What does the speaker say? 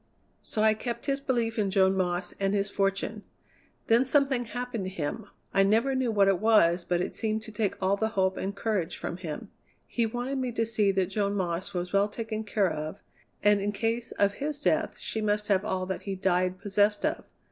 So I kept his belief in Joan Moss and his fortune. Then something happened to him. I never knew what it was, but it seemed to take all the hope and courage from him. He wanted me to see that Joan Moss was well taken care of, and in case of his death she must have all that he died possessed of.